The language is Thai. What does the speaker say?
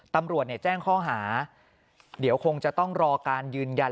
ตำรวจแจ้งข้อหาเดี๋ยวคงจะต้องรอการยืนยัน